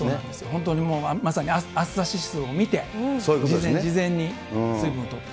本当にもうまさに暑さ指数を見て、事前に水分とって。